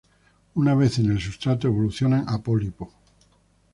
Una vez en el sustrato, evolucionan a pólipo.